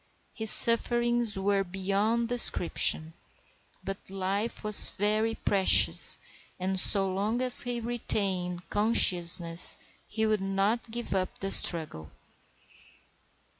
His sufferings were beyond description; but life was very precious, and so long as he retained consciousness he would not give up the struggle.